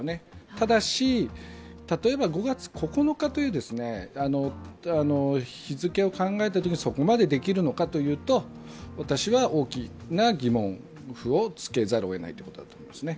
ただし、例えば５月９日という日付を考えたときにそこまでできるのかというと私は大きな疑問符をつけざるをえないということですね。